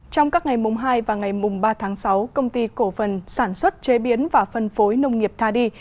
trong các ngày mùng hai và ngày mùng ba tháng sáu công ty cổ phần sản xuất chế biến và phân phối nông nghiệp tha đi